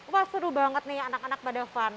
wah seru banget nih ya anak anak pada fun